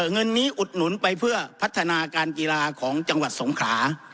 เงินนี้อุดหนุนไปเพื่อพัฒนาการกีฬาของจังหวัดสงขลา